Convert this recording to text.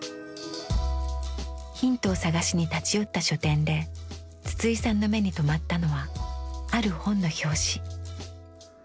ヒントを探しに立ち寄った書店で筒井さんの目に留まったのはある本の表紙。